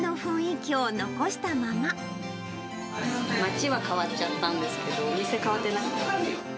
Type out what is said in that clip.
街は変わっちゃったんですけど、お店変わってなくて。